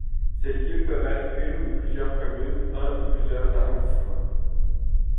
Ces lieux peuvent être une ou plusieurs communes, un ou plusieurs arrondissements.